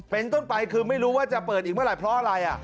เป็นต้นไปคือไม่รู้ว่าจะเปิดอีกเมื่อไหร่เพราะอะไร